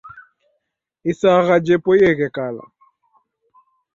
Isagha jepoieghe kala